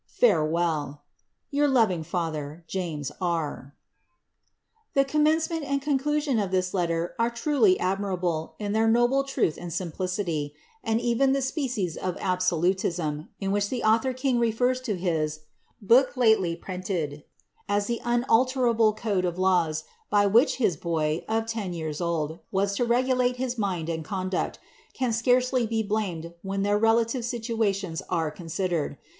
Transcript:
Farewell. Your loving ftthec, «« Jahbs r:' The commencement and conclusion of this letter are truly admirable in Uieir noble truth and simplicity ; and even the species of absolutism, in which the author king refers to his ^ booke latelie prentid,'' as the nnalterable code of laws, by which his boy, of ten years old, was to re gulate his mind and conduct, can scarcely be blamed when their relative situations are considered.